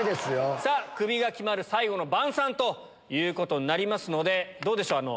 さあ、クビが決まる最後の晩さんということになりますので、どうでしょう。